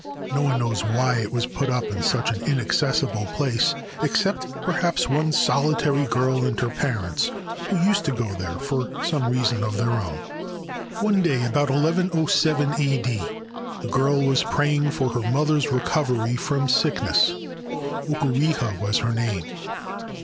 No one knows why it was put up in such an inaccessible place — except, perhaps, one solitary girl and her parents, who used to go there for some reason of their own. One day, about 1107 A.D., the girl was praying for her mother's recovery from sickness. Okureha was her name.